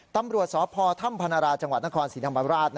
ตำรวจสอบพอท่ำพนาราจังหวัดนครศรีนำบันราช